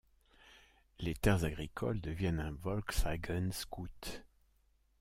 Les terres agricoles deviennent un Volkseigenes Gut.